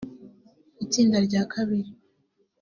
Itsinda rya kabiri